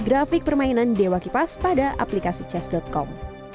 grafik permainan dewa kipas pada aplikasi chess com